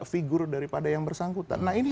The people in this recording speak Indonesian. figur daripada yang bersangkutan nah ini